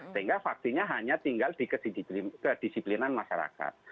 sehingga vaksinnya hanya tinggal di kedisiplinan masyarakat